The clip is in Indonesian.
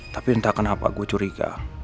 tapi entah kenapa gue curiga